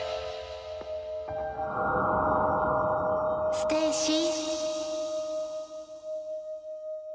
ステイシー。